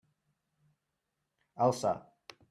Alça!